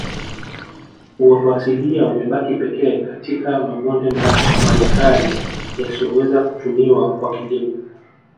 Uoto asilia umebaki pekee katika mabonde majkali yasiyoweza kutumiwa kwa kilimo